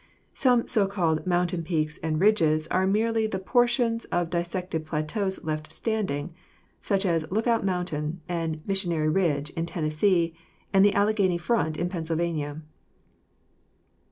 Some so called mountain peaks and ridges are merely the portions of dissected plateaus left standing, such as Lookout Mountain and Missionary Ridge in Tennessee and the Alleghany Front in Pennsylvania.